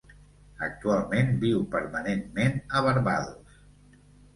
Actualment viu permanentment a Barbados.